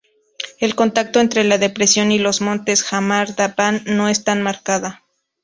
El contacto entre la depresión y los montes Jamar-Dabán no es tan marcada.